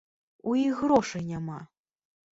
У іх грошай няма!